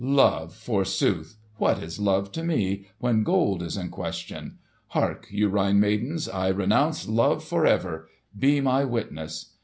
"Love, forsooth! What is love to me, when gold is in question? Hark you, Rhine maidens! I renounce love for ever! Be my witness!"